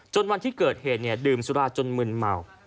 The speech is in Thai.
วันที่เกิดเหตุดื่มสุราจนมึนเมา